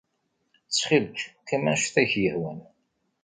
Ttxil-k, qqim anect ay ak-yehwan.